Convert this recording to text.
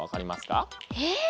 え！？